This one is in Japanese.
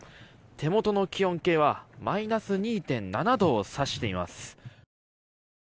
手元の気温計はマイナス２．７度を指しています。